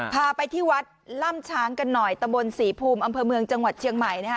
พาไปที่วัดล่ำช้างกันหน่อยตะบนศรีภูมิอำเภอเมืองจังหวัดเชียงใหม่นะฮะ